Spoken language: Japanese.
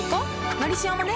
「のりしお」もね